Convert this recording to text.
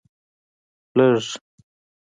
لږ